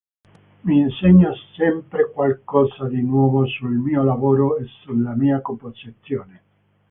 Mi insegna sempre qualcosa di nuovo sul mio lavoro e sulla mia composizione.